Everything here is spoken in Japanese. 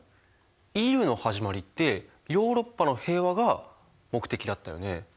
ＥＵの始まりってヨーロッパの平和が目的だったよね？